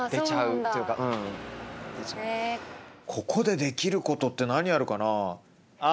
ここでできることって何あるかな？